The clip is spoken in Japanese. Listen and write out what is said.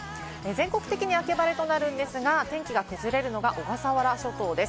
全国的に秋晴れとなるんですが、天気が崩れるのが小笠原諸島です。